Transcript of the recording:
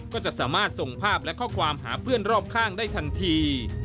ก็จะสามารถส่งภาพและข้อความหาเพื่อนรอบข้างได้ทันที